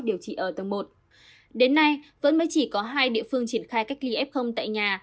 điều trị ở tầng một đến nay vẫn mới chỉ có hai địa phương triển khai cách ly f tại nhà